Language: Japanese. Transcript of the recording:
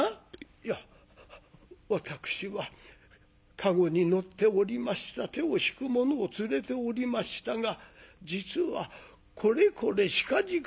「いや私は駕籠に乗っておりました手を引く者を連れておりましたが実はこれこれしかじか」。